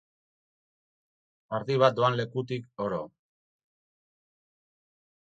Ardi bat doan lekutik, oro.